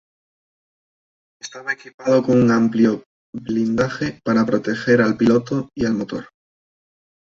Estaba equipado con un amplio blindaje para proteger al piloto y al motor.